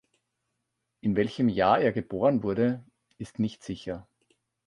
In welchem Jahr er geboren wurde, ist nicht sicher.